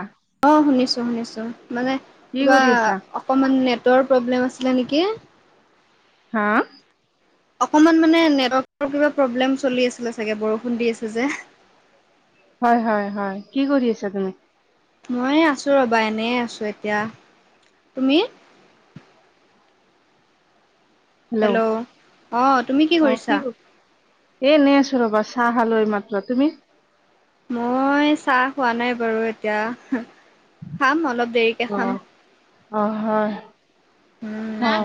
আহ। অ, শুনিছোঁ শুনিছোঁ। মানে কি কিবা কৰি আছা অকণমান নেটৱৰ্ক প্ৰব্লেম আছিলে নেকি? হা! অকমান মানে নেটৱৰ্কৰ কিবা প্ৰব্লেম চলি আছিলে চাগে বৰষুণ দি আছে যে। হয়, হয়, হয়। কি কৰি আছা তুমি? মই আছোঁ ৰ'বা এনেই আছোঁ এতিয়া। তুমি? হেল্ল' অ তুমি কি অ কৰিছা? কৰি- এ নে আছো ৰ'বা চাহ খালো এইমাত্ৰ, তুমি? মই চাহ খোৱা নাই বাৰু এতিয়া, খাম অলপ দেৰিকে অ, খাম অ হয়, অ উম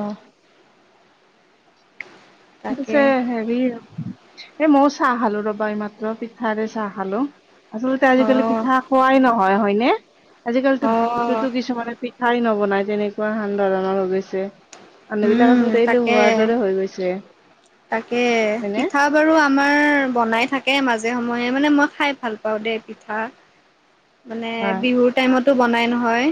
তাকে পিছে হেৰি এ মই চাহ খালো ৰবা এই মাত্ৰ পিঠাৰে চাহ খালো। আচলতে অ আজিকালি পিঠা খোৱাই নহয় হয় নে? আজিকালিতো অ বিচকুতো কিছুমানে পিঠাই নবনাই তেনেকুৱা হান ধৰণৰ হৈ গৈছে। উম মানুহবিলাক আচলতে তাকে এলেহুৱাৰ দৰে হৈ গৈছে। তাকে এ হয়নে পিঠা বাৰু আমাৰ বনাই থাকে মাজে সময়ে মানে মই খাই ভাল পাওঁ দে পিঠা। মানে হয় বিহুৰ টাইমতো বনাই নহয়,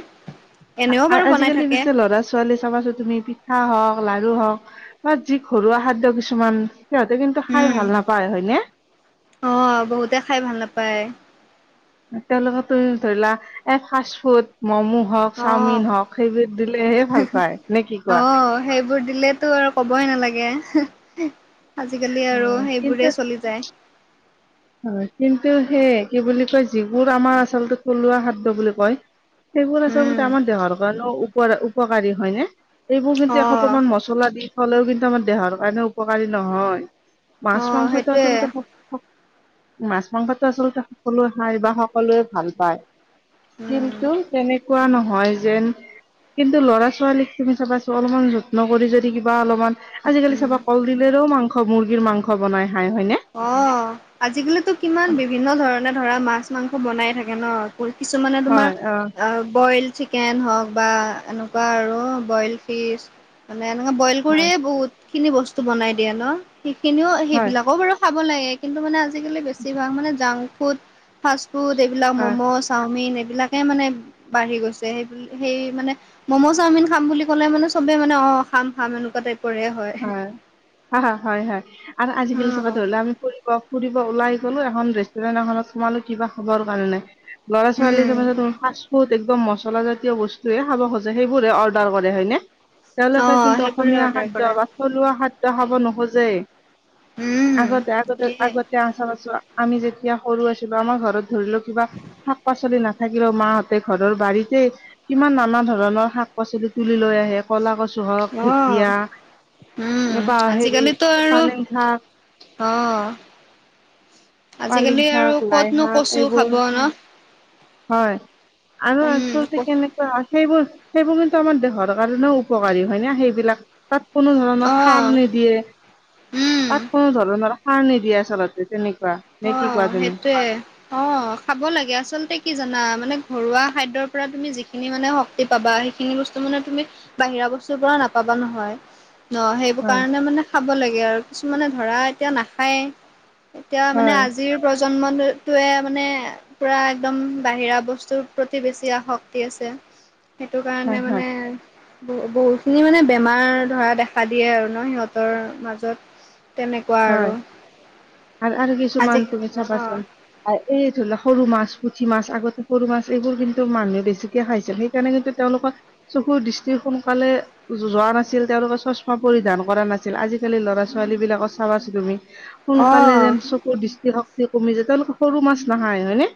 এনেও আ- বাৰু বনাই আজিকালি থাকে। পিছে ল'ৰা ছোৱালী চাবাচো তুমি পিঠা হওক লাৰু হওক বা যি ঘৰুৱা খাদ্য কিছুমান সিহঁতে কিন্তু খাই উম ভাল নাপায় হয়নে? অ বহুতে খাই ভাল নাপায়। তেওঁলোকক তুমি ধৰি লোৱা এ ফাৰ্ষ্ট ফুড ম'ম হওক, অ চাওমিন অ হওক সেইবিধ দিলেহে ভাল পায় নে কি কোৱা। অ সেইবোৰ দিলেপ তো আৰু ক'বই নালাগে আজিকালি অ আৰু সেইবোৰেই চলি যায়। হয়, কিন্তু সেই কি বুলি কয় যিবোৰ আমাৰ আচলতে থলুৱা খাদ্য বুলি কয়। সেইবোৰ উম আচলতে আমাৰ দেহৰ কাৰণেও উপকাৰী হয় নে? এইবোৰ অ কিন্তু এসোপামান মচ- চলা দি থলেও কিন্তু আমাৰ দেহৰ কাৰণে উপকাৰী নহয় মাছ অ মাংসটো সেইটোৱে আচলতে মাছ মাংসটো আচলতে সকলোৱে খায় বা সকলোৱে ভাল পায়। উম কিন্তু তেনেকুৱা নহয় যেন কিন্তু ল'ৰা ছোৱালীক তুমি চাবাছো অলপমান যত্ন কৰি যদি কিবা অলপমান আজিকালি চাবা কলডিলেৰেও মাংস মুৰ্গীৰ মাংস বনাই খাই হয়নে? অ', আজিকালিতো কিমান বিভিন্ন ধৰণে ধৰা মাছ মাংস বনাই থাকে ন। কিছুমানে তোমাৰ হয় অ আ বইল চিক- চিকেন হওক বা এনেকুৱা আৰু বইল ফিচ মানে এনেকুৱা বইল হয় কৰিয়েই বহুত খিনি বস্তু বনাই দিয়ে ন সেইখিনিও হয় সেইবিলাকও বাৰু খাব লাগে। কিন্তু মানে আজিকালি বেছিভাগ মানে জাংক ফুড, ফাষ্ট ফুড এইবিলাক হয় ম'মজ চাওমিন এইবিলাকে মানে বাঢ়ি গৈছে সেইবিল- সেই মানে ম'ম চাওমিন খাম বুলি ক'লে মানে চবে মানে অ' খাম খাম এনেকুৱা টাইপৰে। হয় হয় হয় হয় আৰু আজিকালি চাবা উম, ধৰি লা আমি ফুৰিব ফুৰিব ওলাই গলোঁ। এখন, ৰেষ্টুৰেন্ট এখনত সোমালোঁ কিবা খাবৰ কাৰণে। ল'ৰা -ছোৱালী উম। [unintelligible] ফাষ্টফুড, একদম মছলাজাতীয় বস্তুৱে খাব খোজে। সেইবোৰে অৰ্ডাৰ কৰে হয়নে? তেওঁলোকে অ', কিন্তু সেইবোৰে অসমীয়া অৰ্ডাৰ খাদ্য কৰা বা থলুৱা খাদ্য খাব নোখোজেই উম, আগতে আগতে সেয়াই আগতে আচা বছৰ আমি যেতিয়া সৰু আছিলো আমাৰ ঘৰত ধৰি লও কিবা শাক -পাচলি নাথাকিলেও, মাহঁতে ঘৰৰ বাৰীতে কিমান নানা ধৰণৰ শাক- পাচলি তুলি লৈ আহে, কলা কচু হওঁক, অ', ঢেকীয়া। উম! বা হেৰি আজিকালি ত' আৰু পালেং শাক অ'! পালেং আজিকালি শাক আৰু লাই ক'তনো শাক কচু এইবোৰ খাব ন'? হয় আৰু আচলতে উম, কেনে সেইবোৰ, সেইবোৰ কিন্তু, আমাৰ দেহৰ কাৰণেও উপকাৰী হয়, না সেইবিলাক? তাত কোনো ধৰণৰ সাৰ অ', নিদিয়ে। উম, তাত কোনো ধৰণৰ সাৰ নিদিয়ে, আচলতে তেনেকুৱা। নে কি কোৱা অ'! তুমি? সেইটোৱে। অ'! খাব লাগে, আচলতে কি জানা? মানে, ঘৰুৱা খাদ্যৰ পৰা তুমি যিখিনি মানে, শ শক্তি পাবা! সেইখিনি বস্তু মানে, তুমি বাহিৰা বস্তুৰ পৰা নাপাবা নহয়। অ'! সেইবোৰ হয় কাৰণে মানে, খাব লাগে আৰু। কিছুমানে ধৰা, এতিয়া নাখায়েই। এতিয়া মানে, হয় আজিৰ প্ৰজন্মটোৱে মানে পুৰা একদম, বাহিৰা বস্তুৰ প্ৰতি বেছি আসক্তি আছে। সেইটো হয় কাৰণে হয় মান, ব' বহুতখিনি মানে, বেমাৰ ধৰা, দেখা দিয়ে আৰু ন' সিহঁতৰ মাজত? তেনেকুৱা হয় আৰু। আৰু আৰু আজি কিছুমান তুমি চাবাচোন? এই ধৰি লোৱা, সৰু মাছ, পুঠি মাছ, আগতে সৰু মাছ, এইবোৰ কিন্তু, মানুহে বেছিকে খাইছিল। সেই তেনেকে, তেওঁলোকৰ চকুৰ দৃষ্টি সোনকালে যোৱা নাছিল। তেওঁলোকে চশমা পৰিধান কৰা নাছিল। আজিকালি, ল'ৰা- ছোৱালী বিলাক চাবাচান তুমি? অ সোনকালে যেন, অ চকুৰ দৃষ্টিশক্তি কমি যায়। তেওঁলোকে সৰু মাছ নাখায়, হয় নে?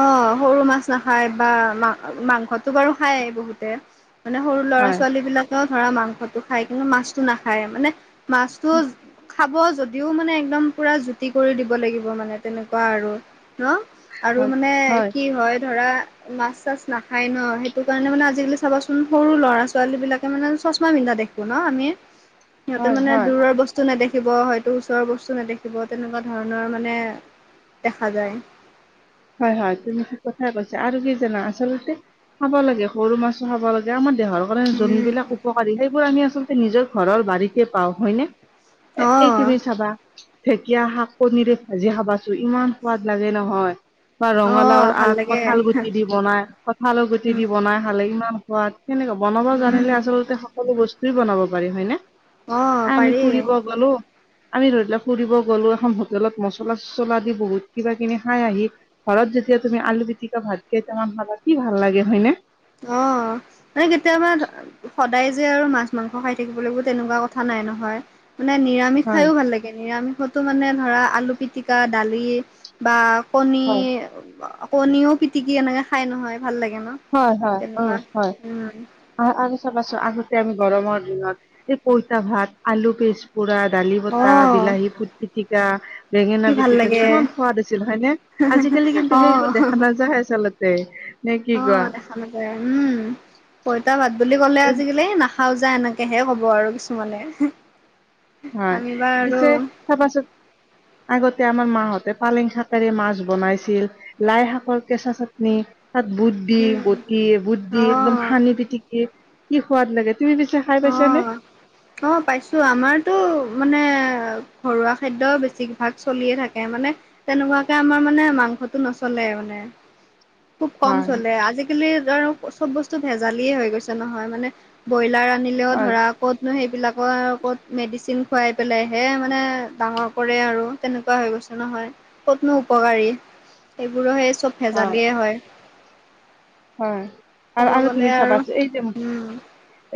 অ'! সৰু মাছ নাখায় বা মা, মাংসো বাৰু খায় বহুতে। মানে, সৰু হয় ল'ৰা-ছোৱালী বিলাকেও, ধৰা মাংসটো খায়, কিন্তু মাছটো নাখায়। মানে, মাছটো খাব যদিও মানে, একদম পুৰা জুতি কৰি দিব লাগিব মানে, তেনেকুৱা আৰু ন'? আৰু মানে, কি হয় ধৰা, মাছ -চাছ নাখায় ন'! সেইটো কাৰণে মানে, আজিকালি চাবাচোন? সৰু ল'ৰা ছোৱালীবিলাকে মানে চশমা পিন্ধা দেখ বনাও আমি। সিহঁতে হয় মানে, হয় দূৰৰ বস্তু বস্তু নেদেখিব, হয়তো, ওচৰৰ বস্তু নেদেখিব, তেনেকুৱা ধৰণৰ মানে, দেখা যায়। হয়, হয়। তুমি ঠিক কথাই কৈছা আৰু কি জানা? আচলতে খাব লাগে, সৰু মাছো খাব লাগে। আমাৰ দেহৰ উম, যোনবিলাক উপকাৰী, সেইবোৰ আমি আচলতে, নিজৰ ঘৰৰ বাৰীতে পাওঁ হয়নে? এ, এই অ'। তুমি চাবা? ঢেকীয়া শাক কনীৰে ভাজি খাবাচোন? ইমান সোৱাদ লাগে নহয়! বা ৰঙালাওৰ অ', ভাল আগ, লাগে কঁঠাল গুটি দি বনাই, কঁঠালৰ গুটি উম, দি বনাই খালে ইমান সোৱাদ! সেনেকুৱা, বনাব উম, জানিলে আচলতে, সকলো বস্তু বনাব পাৰি হয়নে? অ', আমি পাৰি ফুৰিব গলোঁ। আমি, ধৰি লোৱা ফুৰিব গ'লো এখন হোটেলত, মছলা -চছলা দি, বহুত কিবা কিবি খাই আহি ঘৰত যেতিয়া তুমি, আলু পিটিকা ভাত কেইটামান খাবা, কি ভাল লাগে হয় নে? অ'! আমি কেতিয়াবা সদায় যে আৰু মাছ মাংস খাই থাকিব লাগিব তেনেকুৱা কথা নাই নহয়। মানে, নিৰামিষ হয় খাইও ভাল লাগে! নিৰামিষতো মানে, ধৰা আলু পিতিকা, দালি বা কণী, হয় কণীও পিটিকি এনেকে খাই নহয়, ভাল লাগে ন'? হয়, হয় অ তেনেকুৱা হয়। উম, আৰু চাবাছো আগতে আমি গৰমৰ দিনত এই পইতা ভাত আলু পেষ্ট কুকুৰা, দালি বতাহ, অ', বিলাহী পুত পিতিকা, বেঙেনা কি ভাল পিটিকা লাগে কিমান সোৱাদ আছিল হয়নে? আজিকালি কিন্তু, অ', সেইবোৰ দেখা নাযায় আচলতে। নে কি কোৱা? অ', দেখা উম! পইতা ভাত বুলি ক'লে! এ, আজিকালি, নাখা খাওজা এনেকেহে ক'ব আৰু কিছুমানে আমিবা আৰু চাপাছত আগতে আমাৰ মা'হতে পালেং শাকেৰে মাছ বনাইছিল, লাই শাকৰ কেঁচা চাটনি, তাত বুট দি, উম, বটি, বুট দি একদম অ', সানি পিটিকি কি সোৱাদ লাগে তুমি পিছে খাই পাইছা নে? অঁ পাইছো, আমাৰতো মানে ঘৰুৱা খাদ্য বেছিভাগ চলিয়ে থাকে মানে তেনেকুৱাকে আমাৰ মানে মাংসটো নচলে মানে। খুব কম হয় চলে, আজিকালি ধৰ চব বস্তু ভেজালিয়ে হৈ গৈছে নহয়, মানে ব্ৰইলাৰ আনিলেও হয় ধৰা ক'তনো সেইবিলাকৰ ক'ত মেডিচিন খুৱাই পেলাইহে মানে ডাঙৰ কৰে আৰু তেনেকুৱা হৈ গৈছে নহয়, ক'তনো উপকাৰী সেইবোৰো সেই চব ভেজালিয়ে হয়। হয় ক'ব আৰু আৰু গ'লে তুমি চাবাছ এই যে উম।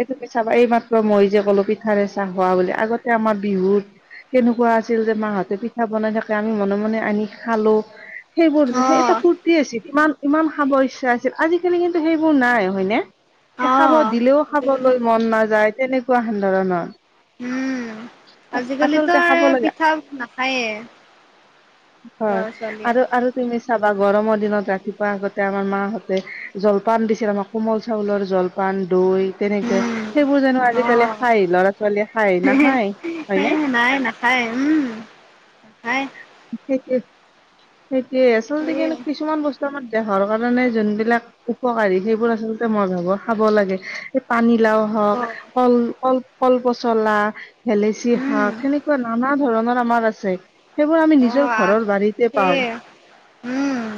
এইটো পিঠা আমাৰ এই মাত্ৰ মই যে ক'লো পিঠাৰে চাহ খোৱা বুলি, আগতে আমাৰ বিহুত কেনেকুৱা আছিল, যে মাহঁতে পিঠা বনাই থাকে আমি মনে মনে আনি খালো সেইবোৰ যে সেই এটা অ', ফুৰ্তি আছিল, ইমান ইমান খাব ইচ্ছা আ আজিকালি কিন্তু সেইবোৰ নাই হয়নে? খাব অ', দিলেও আজিকালি খাবলৈ মন নাযায়, তেনেক কোৱা সান্দৰনৰ। উম আজিকালিতো আচলতে খাব আৰু লাগে পিঠা নাখায়ে। ল'ৰা হয় ছোৱালীয়ে। আৰু, আৰু তুমি চাবা গৰমৰ দিনত ৰাতিপুৱা আগতে আমাৰ মাহঁতে জলপান দিছিল আমাক কোমল চাউলৰ জলপান, দৈ তেনেকে উম, সেইবোৰ জানো আজিকালি খাই, ল'ৰা ছোৱালীয়ে খাই না সেই নাই নাখায় উম নাখায়। সেইটোয়ে, সেইটোৱে আচলতে এই কিন্তু কিছুমান বস্তু আমাৰ দেহৰ কাৰণে যোনবিলাক উপকাৰী সেইবোৰ আচলতে মই ভাবো খাব লাগে পানীলাও হওক, অ', কল কল কল পচলা, ভেলেচি উম, শাক সেনেকুৱা নানা ধৰণৰ আমাৰ আছে। সেইবোৰ আমি নিজৰ অ', আহ ঘৰৰ বাৰীতে পাওঁ। সেয়ে উম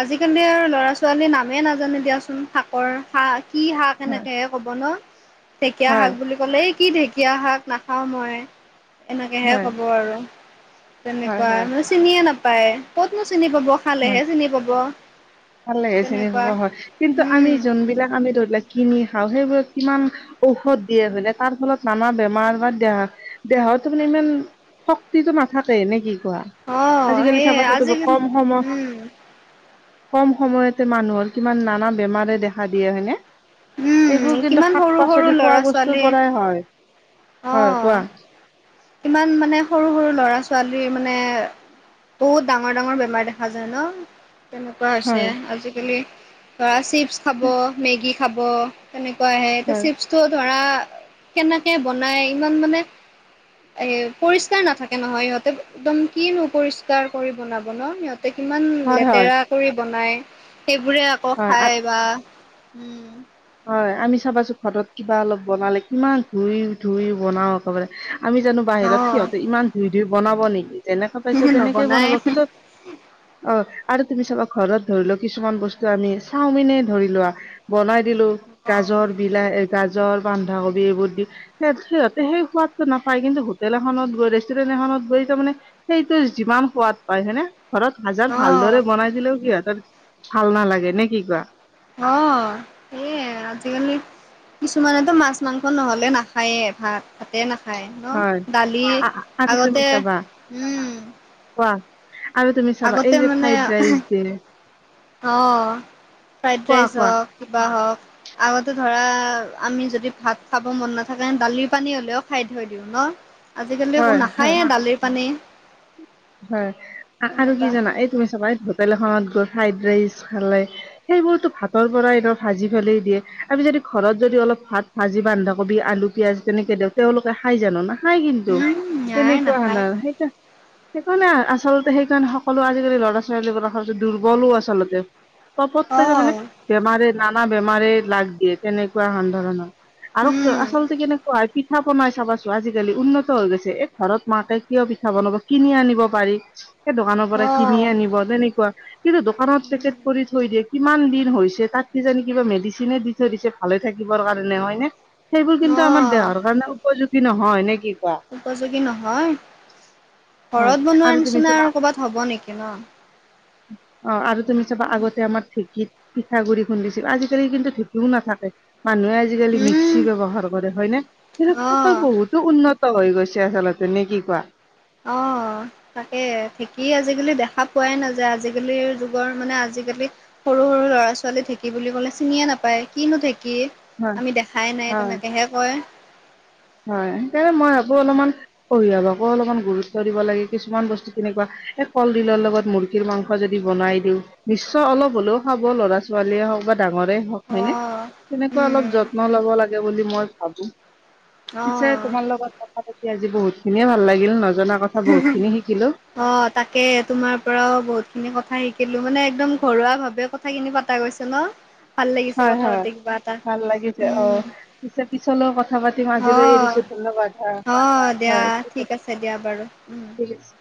আজিকালি আৰু ল'ৰা ছোৱালী নামেই নাজানে দিয়াচোন, শাকৰ শ কি শাক হয় এনেকে হে ক'ব ন, ঢেকীয়া শাক হয় বুলি ক'লেই কি ঢেকীয়া শাক নাখাওঁ মই এনেকেহে হয় ক'ব আৰু হয় তেনেকুৱা হয় মানে চিনিয়ে নাপায় কতনো চিনি পাব খালেহে হয়, চিনি পাব। ভাল লাগে চিনি পাব তেনেকুৱা হয় কিন্তু আমি উম যোনবিলাক আমি ধৰি লাক কিনি খাওঁ সেইবোৰক কিমান ঔষধ দিয়ে, বেলেগ তাৰ ফলত নানা বেমাৰ বা দেহা দেহত মানে ইমান শক্তিটো নাথাকে নে কি কোৱা? অ আজিকালি সেয়ে চাবা চা আজিকালি কম সমত উম কম সময়তে মানুহৰ কিমান নানা বেমাৰে দেখা দিয়ে হয়নে? উম এইবোৰ কিন্তু কিমান সৰু সৰু শাক-পাচলি খোৱা ল'ৰা বস্তুৰ ছোৱালী পৰাই হয়, হয় কোৱা? ইমান মানে সৰু সৰু ল'ৰা ছোৱালীৰ মানে বহুত ডাঙৰ ডাঙৰ বেমাৰ দেখা যায় ন? তেনেকুৱা হৈছে হয় আজিকালি ধৰা চিপছ খাব, মেগী খাব, তেনেকুৱা আহে এতিয়া হয় চিপছটো ধৰা, কেনেকে বনাই ইমান মানে এ পৰিষ্কাৰ নাথাকে নহয় সিহঁতে একদম কিনো পৰিষ্কাৰ কৰি বনাব ন সিহত কিমান হয় লেতেৰা হয় কৰি বনাই, সেইবোৰে আকৌ হয় খাই বা উম। হয়! আমি চাবাচোন? ঘৰত কিবা অলপ বনালে, কিমান ধুই- ধুই বনাও একেবাৰে। আমি জানোঁ অ বাহিৰত, সিহঁতে ইমান ধুই -ধুই বনাব নেকি? যেনেকে পাইছে, তেনেকেই নবনাই বনাব। কিন্তু, অ'! আৰু তুমি চাবা? ঘৰত ধৰি লোৱা, কিছুমান বস্তু আমি, চাওমিনে ধৰি লোৱা বনাই দিলো, গাজৰ, বিলাহ, গাজৰ, বন্ধাকবি এইবোৰ দি স সিহঁতে সেই সোৱাদটো নাপায়, কিন্তু হোটেল এখনত গৈ, ৰেষ্টুৰেণ্ট এখনত গৈ তাৰমানে সেইটো যিমান সোৱাদ পাই হয়নে? ঘৰত হাজাৰ অ ভালদৰে বনাই দিলেও, সিহঁতৰ ভাল নালাগে। নে কি কোৱা? অ'! সেয়ে আজিকালি কিছুমানেতো মাছ -মাংস নহ'লে নাখাইয়ে ভাত। ভাতে নাখায় ন'? হয় দালি আ আ আৰু তুমি আগতে, চাবা উম! কোৱা? আৰু তুমি চাবা! আগতে এই যে, ফ্ৰাইড মানে ৰাইচ দিয়ে। অ'! ফ্ৰাইড কোৱা ৰাইচ কোৱা হওঁক, কিবা হওঁক। আগতে ধৰা, আমি যদি ভাত খাব মন নাথাকে। দালিৰ পানী হ'লেও খাই থৈ দিওঁ ন'? আজিকালি, একো হয় হয় নাখাইয়েই দালিৰ পানী। হয় আৰু [unintelligible] কি তেনেকুৱা জানা? এই তুমি চাবা! এই, হোটেল এখনত গৈ ফ্ৰাইড ৰাইচ খালে। সেইবোৰতো, ভাতৰ পৰাই ন' ভাজি পেলাই দিয়ে। আমি, যদি ঘৰত যদি, অলপ ভাত ভাজি, বন্ধাকবি, আলু, পিয়াজ তেনেকে দিওঁ, তেওঁলোকে খাই জানোঁ না? নাই। কিন্তু, উম, নাই তেনেকুৱা নাখায় [unintelligible] সেইকাৰণে, আচলতে সেইকাৰণে, সকলো আজিকালি, ল'ৰা -ছোৱালীবোৰ দুৰ্বলো আচলতে। [unintelligible] তাৰমানে, অ', বেমাৰে, নানা বেমাৰে, লাগ দিয়ে। তেনেকুৱা [unintelligible] ধৰণৰ। আৰু উম, আচলতে, কেনেকুৱা পিঠা বনাই চাবাচো আজিকালি? উন্নত হৈ গৈছে। এই, ঘৰত মাকে, কিয়? পিঠা বনাব কিনি আনিব পাৰি। সেই, দোকানৰ পৰা কিনি অ', আনিব তেনেকুৱা। কিন্তু, দোকানত পেকট কৰি থৈ দিয়ে। কিমান দিন হৈছে? তাত কিজানি, কিবা মেডিচিনে দি থৈ দিছে, ভালে থাকিবৰ কাৰণে, হয়নে? সেইবোৰ কিন্তু, আমাৰ অ', দেহৰ কাৰণে উপযোগী নহয়। নে কি কোৱা? উপযোগী নহয়। হয় ঘৰত বনোৱাৰ আৰু তুমি নিচিনা চাবা আৰু ক'ৰবাত হ'ব নেকি ন'? অ'! আৰু তুমি চাবা! আগতে, আমাৰ ঢেঁকীত পিঠাগুৰি খুন্দিছিল। আজিকালি কিন্তু, ঢেঁকীও নাথাকে। মানুহে, আজিকালি, উম, মিক্সি ব্যৱহাৰ কৰে, হয় নে? [unintelligible] অ'। বহুত ত' উন্নত হৈ গৈছে। আচলতে, নে কি কোৱা? অ'! তাকে, ঢেঁকী আজিকালি, দেখা পোৱাই নাযায়। আজিকালিৰ যুগৰ মানে, আজিকালি সৰু -সৰু, লৰা- ছোৱালী, ঢেঁকী বুলি ক'লে, চিনিয়ে নাপায়। কিনো ঢেঁকী? হয় আমি দেখাই নাই, হয় তেনেকেহে কয়। হয়! সেইকাৰণে, মই আকৌ, অলপমান পৰিয়ালকো অলপমান, গুৰুত্ব দিব লাগে। কিছুমান বস্তু, কেনেকুৱা? এ, কলডিলৰ লগত মুৰ্গী মুৰ্গী মাংস যদি বনাই দিওঁ, নিশ্চয়! অলপ হ'লেও খাব, ল'ৰা -ছোৱালীয়ে হওঁক বা ডাঙৰে হওঁক। হয় নে? অ', তেনেকুৱা অলপ, উম, যত্ন লব লাগে বুলি মই ভাবোঁ! পিছে, অ', তোমাৰ লগত কথা পাতি আজি বহুত খিনিয়ে ভাল লাগিল। নজনা কথা বহুত খিনি শিকিলোঁ। অ'! তাকে, তোমাৰ পৰাও বহুত খিনি কথা শিকিলোঁ। মানে, একদম ঘৰুৱা ভাৱে কথাখিনি পতা গৈছে ন'! ভাল লাগিছে হয় কথা হয় পাতি কিবা এটা! ভাল লাগিছে অ উম! পিছে পিছলৈও কথা পাতিম আজিলৈ এৰিছো অ'! ধন্যবাদ হয় অ'! দিয়া, ঠিক আছে, দিয়া বাৰু। উম! ঠিক আছে